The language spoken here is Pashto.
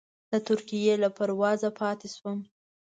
د ترکیې له پروازه پاتې شوم.